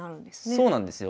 そうなんですよ。